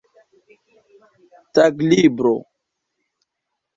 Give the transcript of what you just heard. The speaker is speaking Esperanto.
taglibro